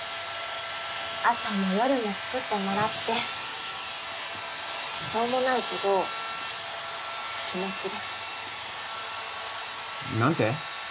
朝も夜も作ってもらってしょうもないけど気持ちです何て？